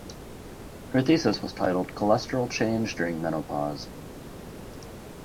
Her thesis was titled "Cholesterol change during menopause".